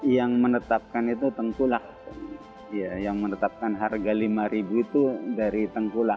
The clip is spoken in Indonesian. yang menetapkan itu tengkulah yang menetapkan harga rp lima itu dari tengkulak